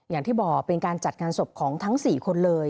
อย่างที่บอกเป็นการจัดงานศพของทั้ง๔คนเลย